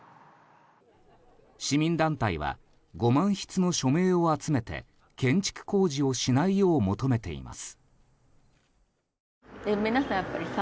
市民団体は５万筆の署名を集めて建築工事をしないよう求めています。